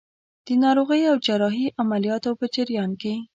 د ناروغۍ او جراحي عملیاتو په جریان کې.